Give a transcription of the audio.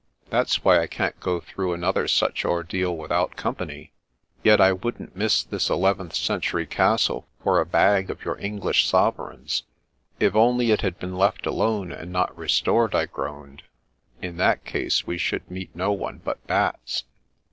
That's why I can't go through another such ordeal without company ; yet I wouldn't miss this eleventh century castle for a bag of your English sover eigns." "If only it had been left alone, and not re stored !" I groaned. " In that case we should meet no one but bats."